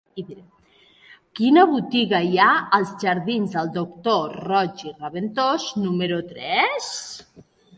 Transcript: Quina botiga hi ha als jardins del Doctor Roig i Raventós número tres?